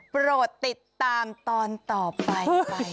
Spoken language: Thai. โปรดติดตามตอนต่อไปค่ะ